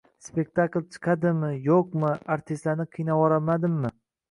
Spektakl chiqadimi-yo‘qmi, artistlarni qiynavormadimmi